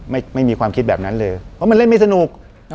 ไม่มีความคิดแบบนั้นเลยเพราะมันเล่นไม่สนุก